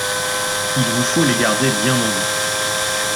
il vous faut les garder bien en vue.